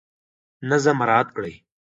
نظم مراعات کړئ.